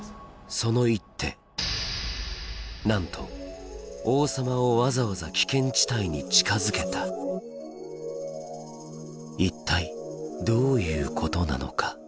その一手なんと王様をわざわざ危険地帯に近づけた一体どういうことなのか？